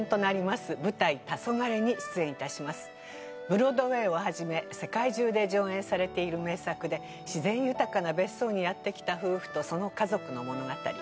ブロードウェーを始め世界中で上演されている名作で自然豊かな別荘にやって来た夫婦とその家族の物語。